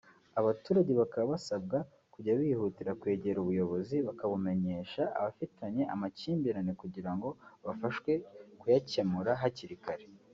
Abaturage bakaba basabwa kujya bihutira kwegera Ubuyobozi bakabumenyesha abafitanye amakimbirane kugira ngo bafashwe kuyakemura hakiri kare